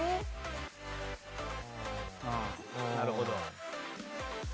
なるほど。